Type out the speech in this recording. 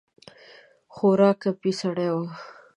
خورا ګپي سړی وو.